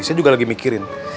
saya juga lagi mikirin